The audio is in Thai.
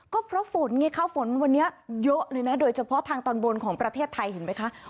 ก็เพราะฝนไงคะฝนวันนี้เยอะเลยนะโดยเฉพาะทางตอนบนของประเทศไทยเห็นไหมคะ